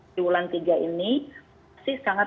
triwulan tiga ini masih sangat